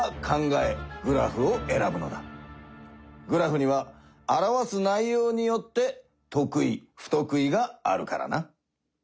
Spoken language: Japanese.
グラフには表す内ようによってとく意ふとく意があるからな。